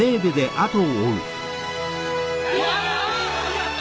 やった！